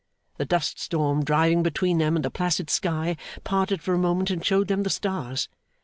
The dust storm, driving between them and the placid sky, parted for a moment and showed them the stars.